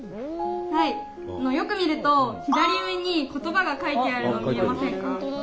よく見ると左上に言葉が書いてあるの見えませんか？